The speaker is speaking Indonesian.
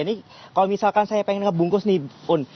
ini kalau misalkan saya pengen ngebungkus nih un